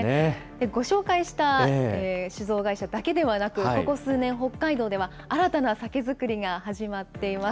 ご紹介した酒造会社だけではなく、ここ数年、北海道では新たな酒造りが始まっています。